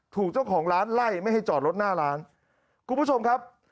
ถูกเจ้าของร้านไล่ไม่ให้จอดรถหน้าร้านคุณผู้ชมครับ